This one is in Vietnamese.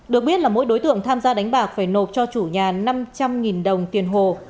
được biết là mỗi đối tượng tham gia đánh bạc phải nộp cho chủ nhà năm trăm linh đồng tiền hồ